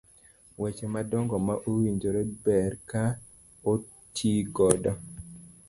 weche madongo ma owinjore ber ka otigodo.